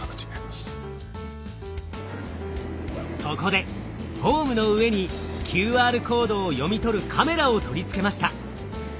そこでホームの上にＱＲコードを読み取るカメラを取り付けました。